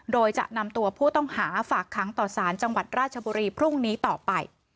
โดยจะนำตัวผู้ต้องหาฝากค้างต่อสารจังหวัดราชบุรีพรุ่งนี้ต่อไป